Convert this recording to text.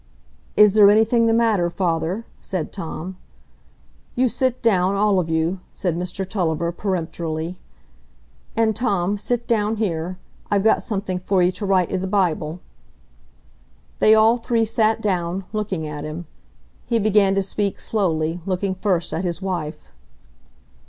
"Is there anything the matter, father?" said Tom. "You sit down, all of you," said Mr Tulliver, peremptorily. "And, Tom, sit down here; I've got something for you to write i' the Bible." They all three sat down, looking at him. He began to speak slowly, looking first at his wife.